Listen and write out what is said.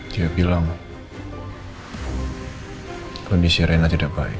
dia bilang kondisi rena tidak baik